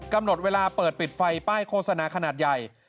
กำหนดเวลาเปิดปิดไฟป้ายโฆษณาขนาดใหญ่